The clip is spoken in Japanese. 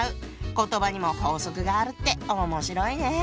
言葉にも法則があるって面白いね。